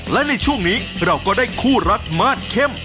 และในช่วงนี้เราก็ได้คู่รักมาสเข้ม